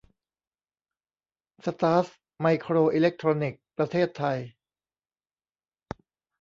สตาร์ส ไมโครอิเล็กทรอนิกส์ ประเทศไทย